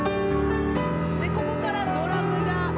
でここからドラムが。